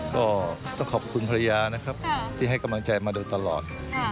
ก็ต้องขอบคุณภรรยานะครับที่ให้กำลังใจมาโดยตลอด